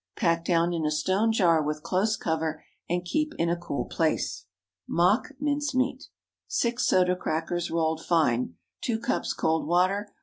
Pack down in a stone jar, with close cover, and keep in a cool place. MOCK MINCE MEAT. ✠ 6 soda crackers—rolled fine. 2 cups cold water.